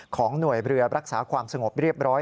ของหน่วยเรือรักษาความสงบเรียบร้อย